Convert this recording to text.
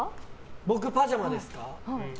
僕、パジャマですか。